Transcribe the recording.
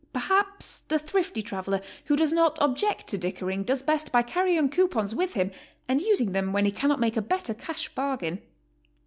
Perhaps the thrifty traveler who does not object to dickering does best by carrying coupons with him and using them when he cannot make a better cash bargain.